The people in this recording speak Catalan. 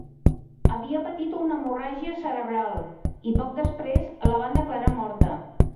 Havia patit una hemorràgia cerebral i poc després la van declarar morta.